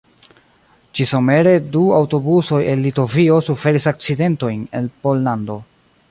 Ĉi-somere du aŭtobusoj el Litovio suferis akcidentojn en Pollando.